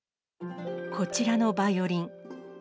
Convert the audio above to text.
こちらのバイオリン。